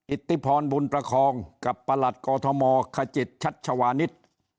อิตบุญประครองกับประหลัดกอทมขจิตชัชชาวาณิสต์